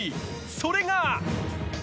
それが。